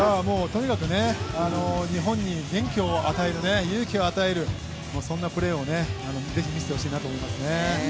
とにかく日本に元気を与える、勇気を与えるそんなプレーをぜひ見せて欲しいなと思いますね。